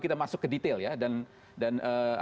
kita masuk ke detail ya dan